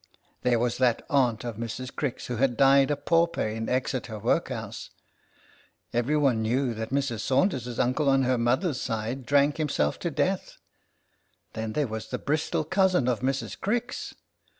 There was that aunt of Mrs. Crick's who had died a pauper in Exeter work BLOOD FEUD OF TO AD WATER 35 house — every one knew that Mrs. Saunders' uncle on her mother's side drank himself to death — then there was that Bristol cousin of Mrs. Crick's